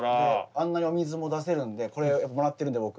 あんなにお水も出せるんでこれもらってるんで僕。